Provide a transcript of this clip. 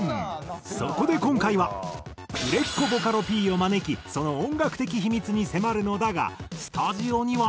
そこで今回は売れっ子ボカロＰを招きその音楽的秘密に迫るのだがスタジオには。